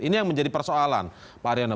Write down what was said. ini yang menjadi persoalan pak ariono